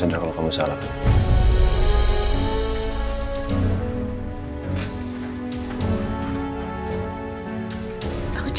aku cuma gak mau kamu tumbuh beban sendirian mas